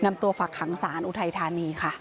นำตัวฝักขังศาลอุทัยธานีค่ะ